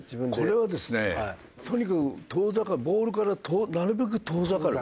これはですねとにかくボールからなるべく遠ざかる。